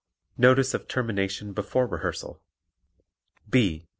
Notice of Termination Before Rehearsal B.